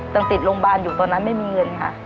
ตั้งติดโรงบารอยู่ตอนนี้ไม่มีเงินค่ะ